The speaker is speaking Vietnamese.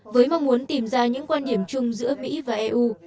với mong muốn tìm ra những quan điểm chung giữa mỹ và eu